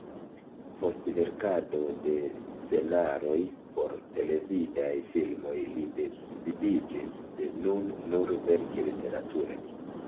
Post verkado de scenaroj por televidaj filmoj li decidiĝis de nun nur verki literature.